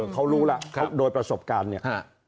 เขารู้แล้วโดยประสบการณ์เนี่ย